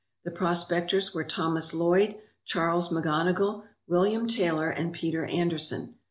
The prospectors were Thomas Lloyd, Charles McGonogill, William Taylor, and Peter Anderson.